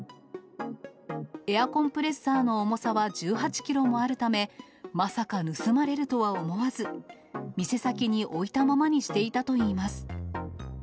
エアコンプレッサーの重さは１８キロもあるため、まさか盗まれるとは思わず、店先に置いたままにしていたといいます。